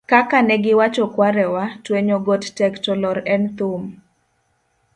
kaka ne giwacho kwarewa, twenyo got tek to lor en thum